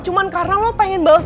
cuma karena lo pengen bales